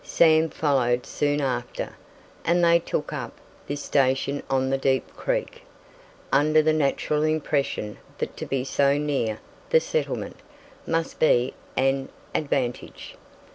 Sam followed soon after, and they "took up" this station on the Deep Creek, under the natural impression that to be so near "the settlement" must be an advantage.